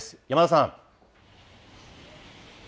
山田さん。